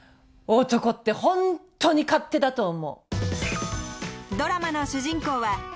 男ってホントに勝手だと思う。